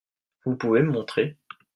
Vous pouvez me montrer ?